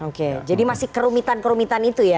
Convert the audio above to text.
oke jadi masih kerumitan kerumitan itu ya